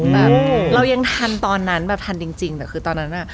แบบเรายังทันตอนนั้นแบบทันจริงแต่คือตอนนั้นอ่ะ